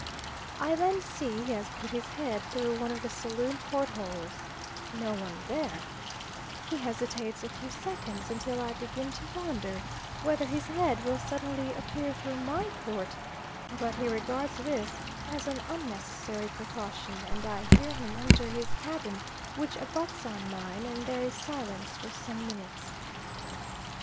I then see he has put his head through one of the saloon portholes; no one there; he hesitates a few seconds until I begin to wonder whether his head will suddenly appear through my port; but he regards this as an unnecessary precaution, and I hear him enter his cabin which abuts on mine and there is silence for some minutes.